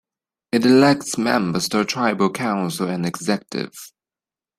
It elects members to a tribal council and executive.